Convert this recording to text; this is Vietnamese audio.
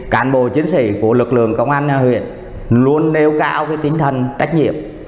cản bộ chiến sĩ của lực lượng công an huyện luôn đeo cao tính thần tách nhiệm